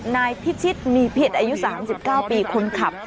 นายพิชิตมีผิดอายุ๓๙ปีคนขับ